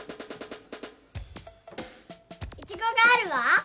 イチゴがあるわ。